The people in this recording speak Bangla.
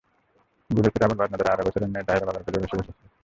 ঘুরেফিরে আবুল বাজনদারের আড়াই বছরের মেয়ে তাহেরা বাবার কোল ঘেঁষে এসে বসছিল।